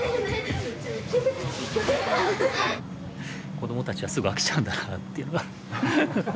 子どもたちはすぐ飽きちゃうんだなっていう。